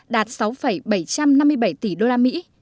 đạt sáu bảy trăm năm mươi năm tỷ usd